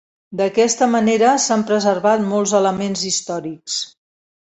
D'aquesta manera s'han preservat molts elements històrics.